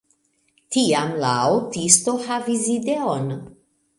Tiam la aŭtisto havis ideon.